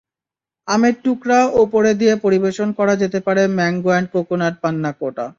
আমের টুকরা ওপরে দিয়ে পরিবেশন করা যেতে পারে ম্যাঙ্গো অ্যান্ড কোকোনাট পান্নাকোটা।